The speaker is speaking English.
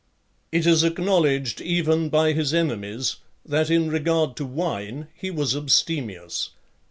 LIII. It is acknowledged even by his enemies, that in regard to wine, he was abstemious.